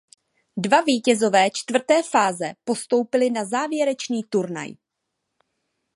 Dva vítězové čtvrté fáze postoupili na závěrečný turnaj.